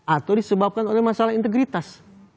atau disebabkan oleh masalah integritas